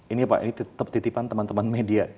ini pak ini tetap titipan teman teman media